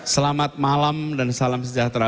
selamat malam dan salam sejahtera